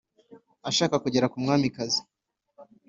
ashaka kugera ku mwamikazi.